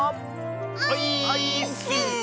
オイーッス！